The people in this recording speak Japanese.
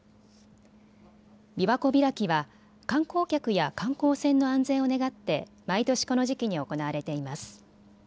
びわ湖開きは観光客や観光船の安全を願って毎年この時期に行われています。